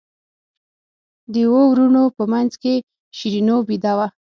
د اوو وروڼو په منځ کې شیرینو بېده وه.